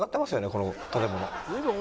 この建物。